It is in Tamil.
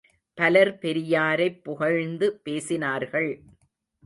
பலர் பெரியாரைப் புகழ்ந்து பேசினார்கள்.